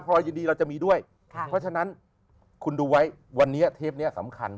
เพราะฉะนั้นคุณดูไว้วันนี้เทปนี้สำคัญ